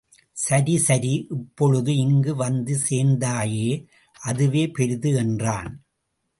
சரி, சரி இப்பொழுது இங்கு வந்து சேர்ந்தாயே, அதுவே பெரிது! என்றான்.